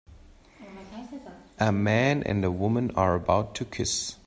a man and a woman are about to kiss